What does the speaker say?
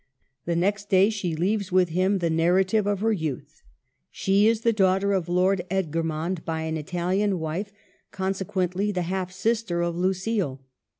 The next day she leaves with him the narrative of her youth. She is the daughter of Lord Ed germond by an Italian wife, consequently the half sister of Lucile.